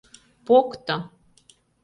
Покто!